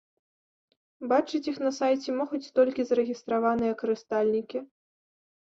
Бачыць іх на сайце могуць толькі зарэгістраваныя карыстальнікі.